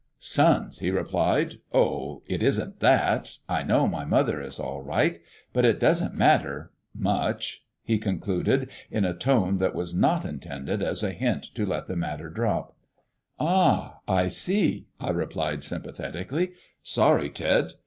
"Sons!" he replied. "Oh, it isn't that I know my mother is all right. But it doesn't matter much," he concluded, in a tone that was not intended as a hint to let the matter drop. "Ah, I see," I replied sympathetically. "Sorry, Ted.